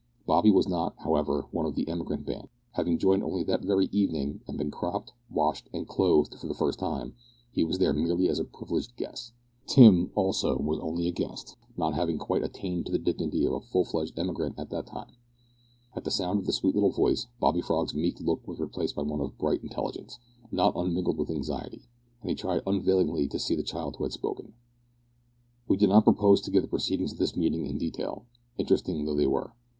Bobby was not, however, one of the emigrant band. Having joined only that very evening, and been cropped, washed, and clothed for the first time, he was there merely as a privileged guest. Tim, also, was only a guest, not having quite attained to the dignity of a full fledged emigrant at that time. At the sound of the sweet little voice, Bobby Frog's meek look was replaced by one of bright intelligence, not unmingled with anxiety, as he tried unavailingly to see the child who had spoken. We do not propose to give the proceedings of this meeting in detail, interesting though they were.